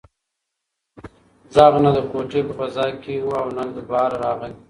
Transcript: غږ نه د کوټې په فضا کې و او نه له بهره راغی.